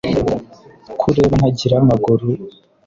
ko ureba ntagira amaguru